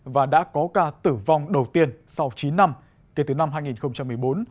và đã có ca tử vong đầu tiên sau chín năm kể từ năm hai nghìn một mươi bốn